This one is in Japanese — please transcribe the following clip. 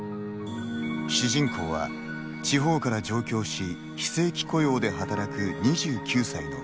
主人公は、地方から上京し非正規雇用で働く、２９歳のリキ。